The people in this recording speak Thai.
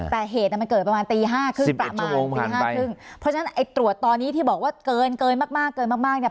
แต่เหตุอ่ะมันเกิดประมาณตีห้าครึ่งประมาณตีห้าครึ่งเพราะฉะนั้นไอ้ตรวจตอนนี้ที่บอกว่าเกินเกินมากมากเกินมากมากเนี่ย